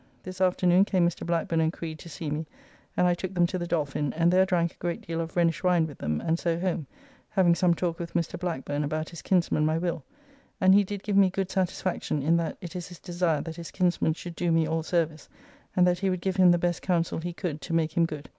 This afternoon came Mr. Blackburn and Creed to see me, and I took them to the Dolphin, and there drank a great deal of Rhenish wine with them and so home, having some talk with Mr. Blackburn about his kinsman my Will, and he did give me good satisfaction in that it is his desire that his kinsman should do me all service, and that he would give him the best counsel he could to make him good.